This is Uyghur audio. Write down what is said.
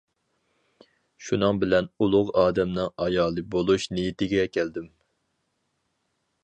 شۇنىڭ بىلەن ئۇلۇغ ئادەمنىڭ ئايالى بولۇش نىيىتىگە كەلدىم.